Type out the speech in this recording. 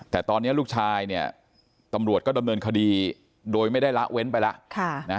แต่ตอนนี้ลูกชายเนี่ยตำรวจก็ดำเนินคดีโดยไม่ได้ละเว้นไปแล้ว